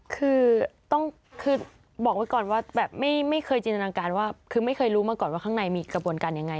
คือต้องบอกไว้ก่อนว่าไม่เคยรู้มาก่อนว่าข้างในมีกระบวนการอย่างไร